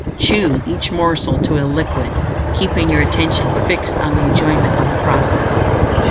Chew each morsel to a liquid, keeping your attention fixed on the enjoyment of the process.